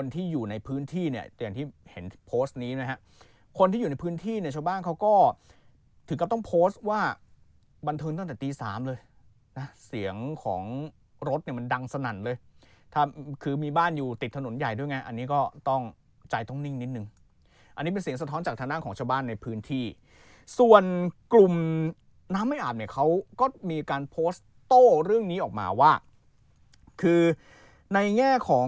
ที่เนี้ยเช้าบ้านเขาก็ถึงกับต้องโพสต์ว่าบันทึงตั้งแต่ตีสามเลยนะเสียงของรถเนี้ยมันดังสนั่นเลยถ้าคือมีบ้านอยู่ติดถนนใหญ่ด้วยไงอันนี้ก็ต้องใจต้องนิ่งนิดนึงอันนี้เป็นเสียงสะท้อนจากทางด้านของเช้าบ้านในพื้นที่ส่วนกลุ่มน้ำใหม่อาบเนี้ยเขาก็มีการโพสต์โต้เรื่องนี้ออกมาว่าคือในแง่